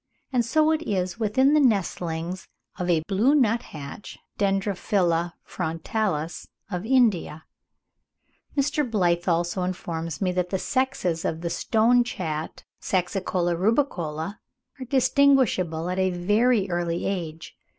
392), and so it is within the nestlings of a blue nuthatch, Dendrophila frontalis of India (Jerdon, 'Birds of India,' vol. i. p. 389). Mr. Blyth also informs me that the sexes of the stonechat, Saxicola rubicola, are distinguishable at a very early age.